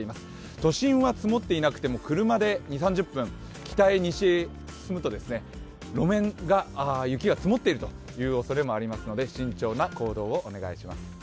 都心は積もっていなくても車で２０３０分、北へ進むと路面に雪が積もっているおそれもありますので慎重な行動をお願いします。